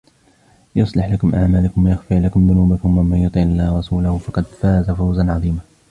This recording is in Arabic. يصلح لكم أعمالكم ويغفر لكم ذنوبكم ومن يطع الله ورسوله فقد فاز فوزا عظيما